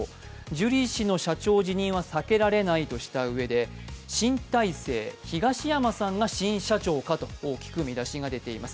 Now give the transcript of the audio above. ジュリー氏の社長辞任は避けられないとしたうえで、新体制、東山さんが新社長かと大きく見出しが出ています。